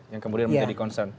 yang kemudian menjadi concern